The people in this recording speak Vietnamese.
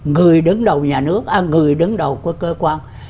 người đứng đầu nhà nước người đứng đầu của cơ quan